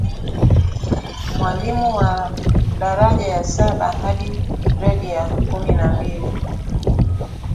walimu wa daraja ya saba hadi gredi ya kumi na mbili